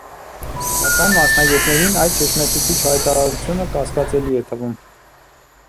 Սակայն մասնագետներին այդ շշմեցուցիչ հայտարարությունը կասկածելի է թվում։